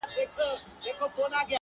که غزلي د شېراز لال و مرجان دي,